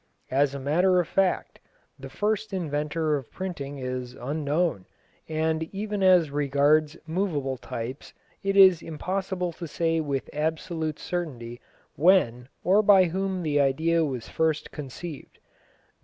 As a matter of fact, the first inventor of printing is unknown, and even as regards moveable types it is impossible to say with absolute certainty when or by whom the idea was first conceived.